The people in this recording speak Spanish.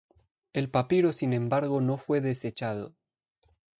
El papiro sin embargo no fue desechado.